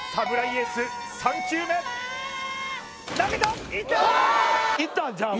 エース３球目投げたいった！